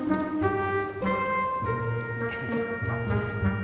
pak kenalin ini bapak saya